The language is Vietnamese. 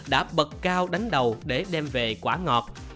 đã bật cao đánh đầu để đem về quả ngọt